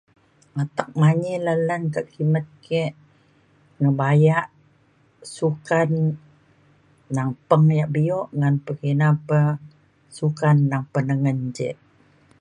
atek manyi lan lan ka kimet ke ngebaya sukan nang peng ia' bio ngan pekina pa sukan nang penengen je